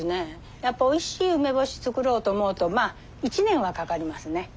やっぱおいしい梅干し作ろうと思うとまあ１年はかかりますね。